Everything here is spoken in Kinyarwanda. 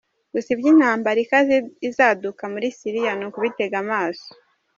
Gusa iby’intambara ikaze izaduka muri Syria ni ukubitega amaso.